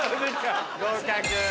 合格。